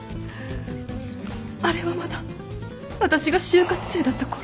あれはまだ私が就活生だったころ。